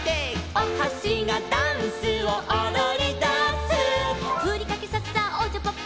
「おはしがダンスをおどりだす」「ふりかけさっさおちゃぱっぱ」